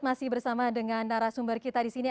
masih bersama dengan narasumber kita di sini